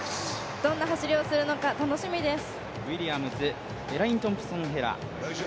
どんな走りをするのか楽しみです。